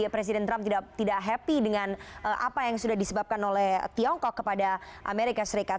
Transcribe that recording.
presiden trump tidak happy dengan apa yang sudah disebabkan oleh tiongkok kepada amerika serikat